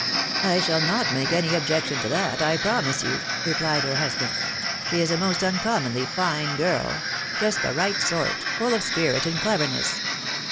" I shall not make any objection to that, I promise you," replied her husband. " She is a most uncommonly fine girl — just the right sort, full of spirit and cleverness.